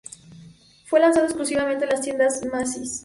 Fue lanzado exclusivamente en las tiendas Macy's.